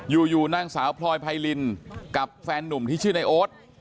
อยู่นางสาวพลอยไพรินกับแฟนนุ่มที่ชื่อในโอ๊ต